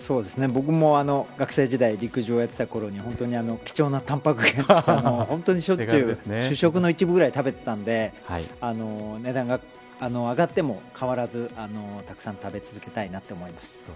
僕も学生時代陸上やっていたころに本当に貴重なたんぱく源として主食の一部ぐらい食べていたんで値段が上がっても変わらずたくさん食べ続けたいなと思います。